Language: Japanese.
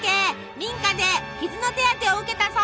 民家で傷の手当てを受けたそう。